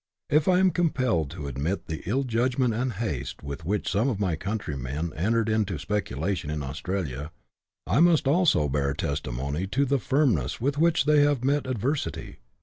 If I am compelled to admit the ill judged haste with which some of my countrymen entered into speculation in Australia, I must also bear testimony to the firmness with which they have met adversity.